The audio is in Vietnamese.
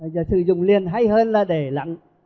giờ sử dụng liền hay hơn là để lặng